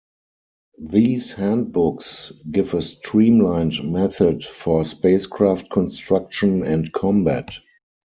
These handbooks give a streamlined method for spacecraft construction and combat.